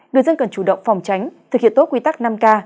người dân cần chủ động phòng tránh thực hiện tốt quy tắc năm k